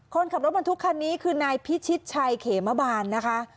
คนขับรถบรรทุกคันนี้คือนายพิชิตชัยเขมบาลนะคะ